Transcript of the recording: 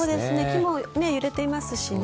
木も揺れていますしね。